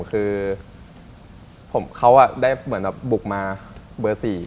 เขาอะได้บุกมาเบอร์๔